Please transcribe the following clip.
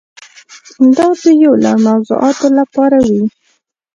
دا د یو لړ موضوعاتو لپاره وي.